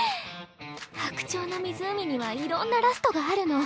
「白鳥の湖」にはいろんなラストがあるの。